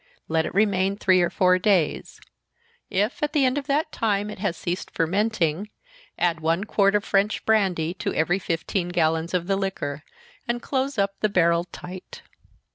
Let it remain three or four days if, at the end of that time, it has ceased fermenting, add one quart of French brandy to every fifteen gallons of the liquor, and close up the barrel tight.